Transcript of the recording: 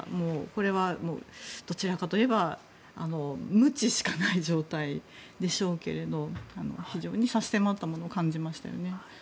これはどちらかといえばムチしかない状態でしょうけれど非常に差し迫ったものを感じましたよね。